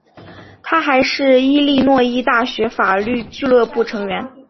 他还是伊利诺伊大学法律俱乐部成员。